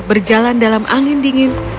berjalan dalam angin dingin